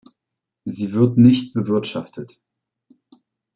Sie wird nicht bewirtschaftet.